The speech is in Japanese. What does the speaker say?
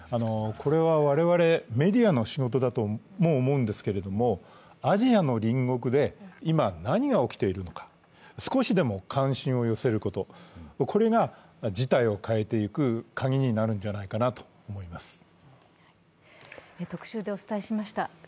これは我々メディアの仕事だとも思うんですけれども、アジアの隣国で今何が起きているのか、少しでも関心を寄せることこれが事態を変えていくカギになるんじゃないかなと思います。